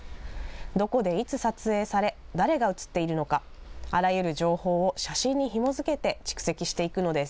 どこでいつ撮影され、誰が写っているのか、あらゆる情報を写真にひも付けて蓄積していくのです。